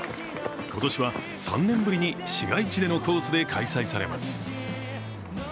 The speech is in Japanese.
今年は３年ぶりに市街地でのコースが開催されます。